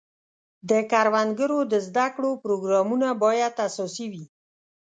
د کروندګرو د زده کړو پروګرامونه باید اساسي وي.